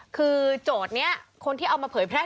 คือโจทย์นี้คนที่เอามาเผยแพร่